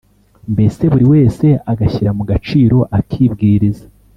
mbese buri wese agashyira mu gaciro akibwiriza